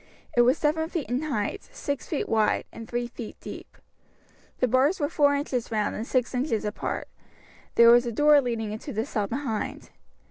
It was seven feet in height, six feet wide, and three feet deep. The bars were four inches round, and six inches apart. There was a door leading into the cell behind.